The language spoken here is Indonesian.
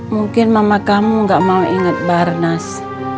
mungkin mama kamu gak mau inget barnas